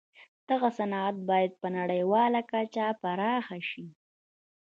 دغه صنعت باید په نړیواله کچه پراخ شي